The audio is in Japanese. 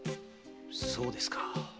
そうですか。